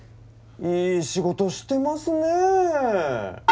いい仕事してますねえ。